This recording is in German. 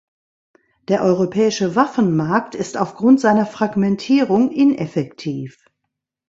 Der europäische Waffenmarkt ist aufgrund seiner Fragmentierung ineffektiv.